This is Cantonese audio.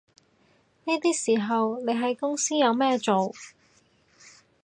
呢啲時候你喺公司有咩做